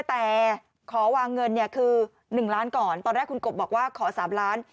แต่ขอวางเงินเนี่ยคือ๑ล้านก่อนตอนแรกคุณกบบอกว่าขอ๓ล้าน